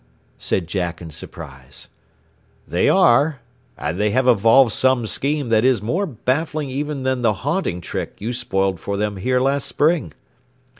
said Jack in surprise. "They are. And they have evolved some scheme that is more baffling even than the 'haunting' trick you spoiled for them here last spring.